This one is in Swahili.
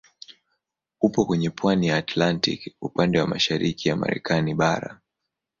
Uko kwenye pwani ya Atlantiki upande wa mashariki ya Marekani bara.